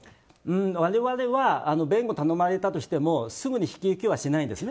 我々は弁護を頼まれたとしてもすぐに引き受けはしないんですね。